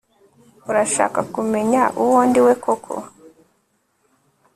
Urashaka kumenya uwo ndiwe koko